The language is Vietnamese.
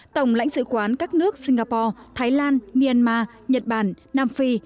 tổng lãnh sự quán các nước singapore thái lan myanmar nhật bản nam phi